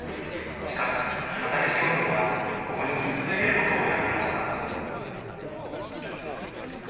しかし、畑仕事もあり、ここに住み続けることを選びました。